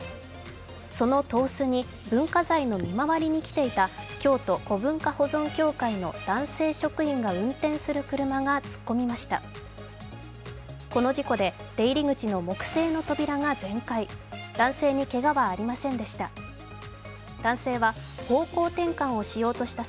その東司に文化財の見回りに来ていた京都古文化保存協会の男性職員が運転する車が突っ込みました。